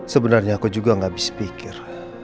sebenarnya aku juga gak bisa pikir